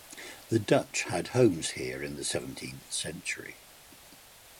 The Dutch had homes here in the seventeenth century.